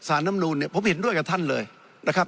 น้ำนูนเนี่ยผมเห็นด้วยกับท่านเลยนะครับ